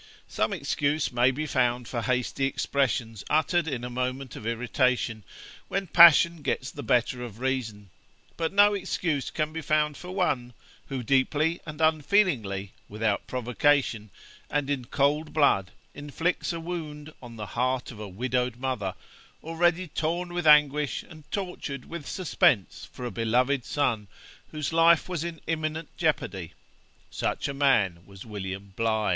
Some excuse may be found for hasty expressions uttered in a moment of irritation, when passion gets the better of reason; but no excuse can be found for one, who deeply and unfeelingly, without provocation, and in cold blood, inflicts a wound on the heart of a widowed mother, already torn with anguish and tortured with suspense for a beloved son, whose life was in imminent jeopardy: such a man was William Bligh.